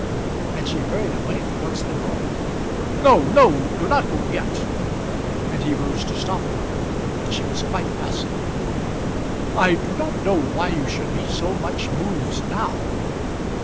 And she hurried away towards the door. "No, no; do not go yet." And he rose to stop her, but she was quite passive. "I do not know why you should be so much moved now."